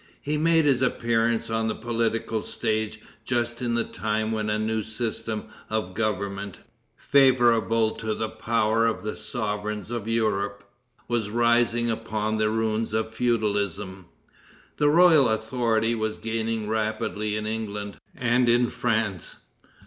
He made his appearance on the political stage just in the time when a new system of government, favorable to the power of the sovereigns of Europe, was rising upon the ruins of feudalism. The royal authority was gaining rapidly in England and in France.